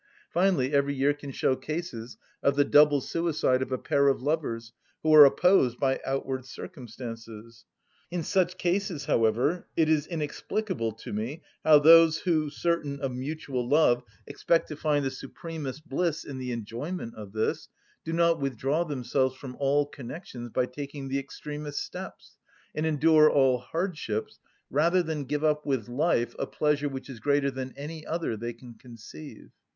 Finally, every year can show cases of the double suicide of a pair of lovers who are opposed by outward circumstances. In such cases, however, it is inexplicable to me how those who, certain of mutual love, expect to find the supremest bliss in the enjoyment of this, do not withdraw themselves from all connections by taking the extremest steps, and endure all hardships, rather than give up with life a pleasure which is greater than any other they can conceive.